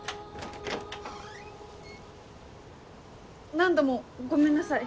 何度もごめんなさい。